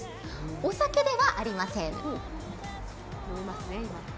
お酒ではありません。